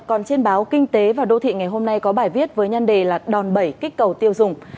còn trên báo kinh tế và đô thị ngày hôm nay có bài viết với nhân đề là đòn bẩy kích cầu tiêu dùng